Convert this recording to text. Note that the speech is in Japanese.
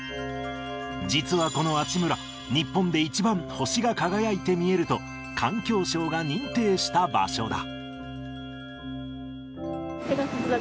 実はこの阿智村、日本で一番星が輝いて見えると、環境省が認定した場所だ。